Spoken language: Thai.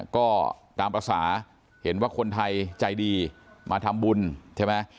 ก็ตามภาษาเห็นว่าคนไทยใจดีมาทำบุญใช่ไหม